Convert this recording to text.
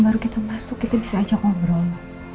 baru kita masuk kita bisa ajak ngobrol